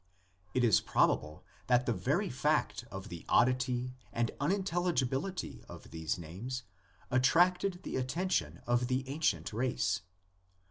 It is probable that the very fact of the oddity and unintelligibility of these names attracted the atten tion of the ancient race.